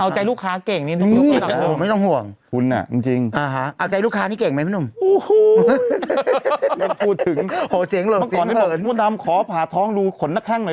ใช่ไหมหนึ่งการเมืองต่อการพาต่างประตีสี่เอาใจลูกค้าเก่งนี่